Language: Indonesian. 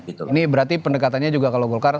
ini berarti pendekatannya juga kalau golkar